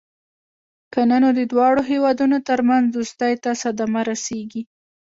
کنه نو د دواړو هېوادونو ترمنځ دوستۍ ته صدمه رسېږي.